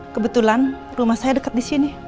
kebetulan rumah saya dekat disini